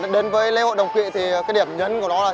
đến với lễ hội đồng kỵ thì cái điểm nhấn của nó là